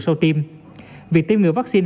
sau tiêm việc tiêm ngừa vaccine